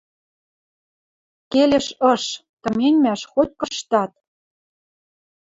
Келеш ыш, тыменьмӓш хоть-кыштат».